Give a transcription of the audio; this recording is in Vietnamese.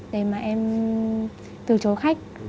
để mà em từ chối khách